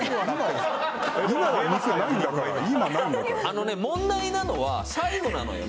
あのね問題なのは最後なのよ。